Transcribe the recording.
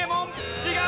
違う！